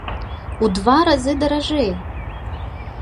У два разы даражэй!